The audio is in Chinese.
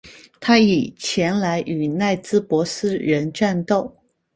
他已前来与内兹珀斯人战斗。